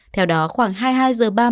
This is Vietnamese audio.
theo đó khoảng hai người bị thương